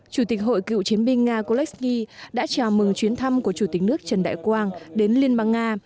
chủ tịch hội cựu chiến binh nga kolesy đã chào mừng chuyến thăm của chủ tịch nước trần đại quang đến liên bang nga